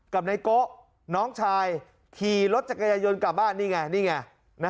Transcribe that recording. กับนายโกะน้องชายขี่รถจักรยายนต์กลับบ้านนี่ไงนี่ไง